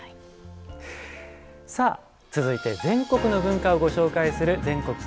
続いて全国の文化をご紹介する「全国